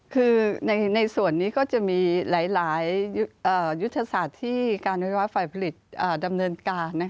คือในส่วนนี้ก็จะมีหลายยุทธศาสตร์ที่การไฟฟ้าฝ่ายผลิตดำเนินการ